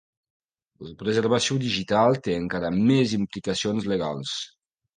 La preservació digital té encara més implicacions legals.